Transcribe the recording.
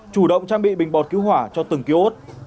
chủ động trang bị bình bọt cứu hỏa cho từng cứu ốt